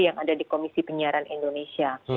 yang ada di komisi penyiaran indonesia